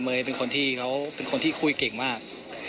เป็นคนที่เขาเป็นคนที่คุยเก่งมาก